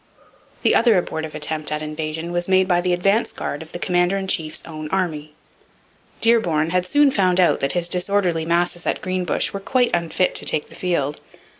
The other abortive attempt at invasion was made by the advance guard of the commander in chief's own army. Dearborn had soon found out that his disorderly masses at Greenbush were quite unfit to take the field.